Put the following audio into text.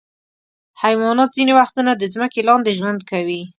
حیوانات ځینې وختونه د ځمکې لاندې ژوند کوي.